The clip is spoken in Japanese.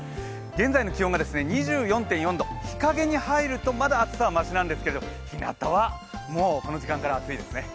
現在の気温が２４．４度、日陰に入るとまだ暑さはましなんですけどひなたはもうもうこの時間から暑いですね。